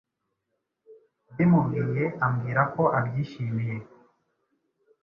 mbimubwiye ambwira ko abyishimiye